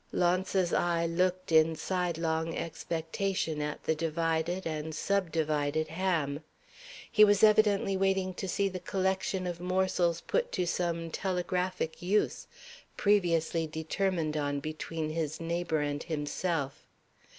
Launce's eye looked in sidelong expectation at the divided and subdivided ham. He was evidently waiting to see the collection of morsels put to some telegraphic use, previously determined on between his neighbor and himself.